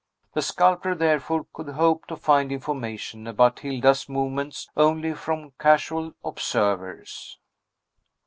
The sculptor, therefore, could hope to find information about Hilda's movements only from casual observers.